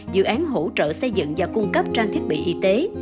dự án hỗ trợ xây dựng và cung cấp trang thiết bị y tế